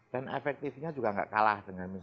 dan efektifnya juga enggak kalah dengan minyak